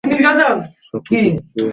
সবকিছু গুছিয়ে নে।